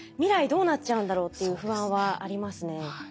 どうなっちゃうんだろうっていう不安はありますね。